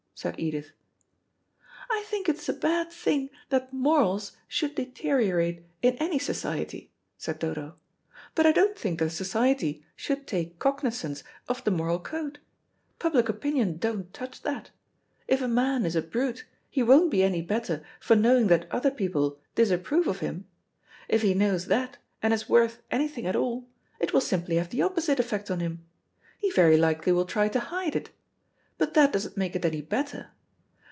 said Edith. "I think it's a bad thing that morals should deteriorate in any society," said Dodo; "but I don't think that society should take cognisance of the moral code. Public opinion don't touch that. If a man is a brute, he won't be any better for knowing that other people disapprove of him. If he knows that, and is worth anything at all, it will simply have the opposite effect on him. He very likely will try to hide it; but that doesn't make it any better.